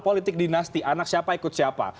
politik dinasti anak siapa ikut siapa